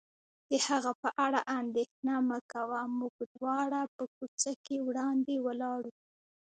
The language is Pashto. د هغه په اړه اندېښنه مه کوه، موږ دواړه په کوڅه کې وړاندې ولاړو.